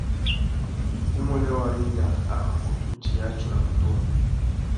Umuênê Waringa a mà kutu djï atsôra matuwa.